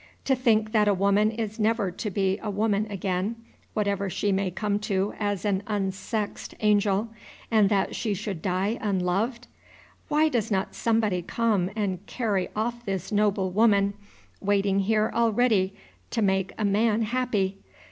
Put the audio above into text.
To think that a woman is never to be a woman again, whatever she may come to as an unsexed angel, and that she should die unloved! Why does not somebody come and carry off this noble woman, waiting here all ready to make a man happy?